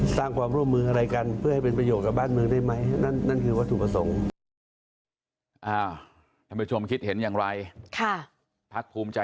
เพราะเป็นประโยคกับประชาชน